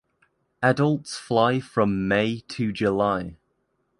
Adults fly from May to July.